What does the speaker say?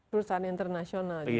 perusahaan internasional justru